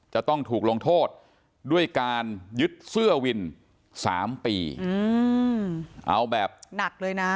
จะต้องถูกลงโทษด้วยการยึดเสื้อวิน๓ปีเอาแบบหนักเลยนะ